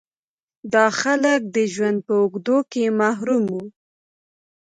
دا خلک د ژوند په اوږدو کې محروم وو.